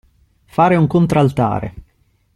Fare un contraltare.